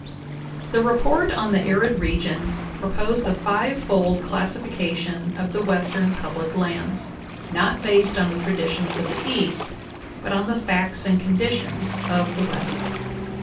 The report on the arid region proposed a fivefold classifi cation of the Western public lands, not based on the traditions of the East, but on the facts and conditions of the West.